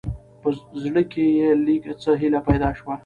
په زړه، کې يې لېږ څه هېله پېدا شوه.